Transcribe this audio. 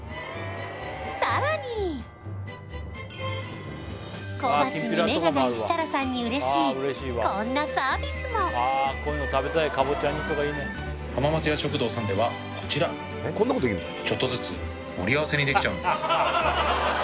さらに小鉢に目がない設楽さんに嬉しいこんなサービスも浜松屋食堂さんではこちらちょっとずつ盛り合わせにできちゃうんです